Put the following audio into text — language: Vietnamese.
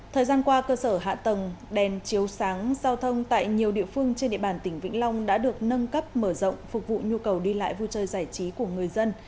thời gian qua cơ sở hạ tầng đèn chiếu sáng giao thông tại nhiều địa phương trên địa bàn tỉnh vĩnh long đã được nâng cấp mở rộng phục vụ nhu cầu đi lại vui chơi giải trí của người dân